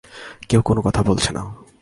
কেউ কোনো কথা বলছে না।